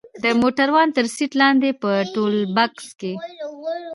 د موټروان تر سيټ لاندې په ټولبکس کښې.